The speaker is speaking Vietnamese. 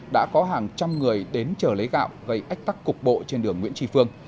đã có hàng trăm người đến chờ lấy gạo gây ách tắc cục bộ trên đường nguyễn trì phương